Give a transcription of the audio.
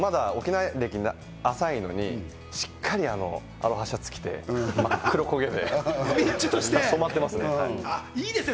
まだ沖縄歴が浅いのにしっかりアロハシャツ着て、真っ黒にこげて、染まってますね。